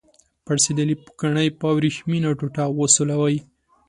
پړسیدلې پوکڼۍ په وریښمینه ټوټه وسولوئ.